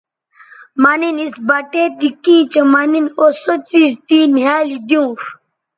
مہ نِن اش چہء اِس بٹے تی کیں مہ نِن او تے سو څیز نِھیالی دیونݜ